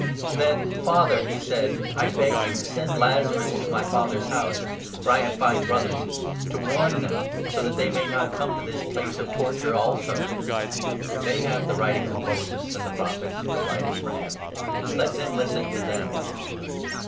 ' Then, Father,' he said, ' I beg you to send Lazarus to my 27 father's house — for I have five brothers — to warn them, so that 28 they may not come to this place of torture also.' ' They have the writings of Moses and the Prophets,' replied 29 Abraham ;' let them listen to them.'